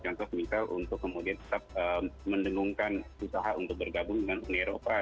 nah misalnya untuk kemudian mendengungkan usaha untuk bergabung dengan uni eropa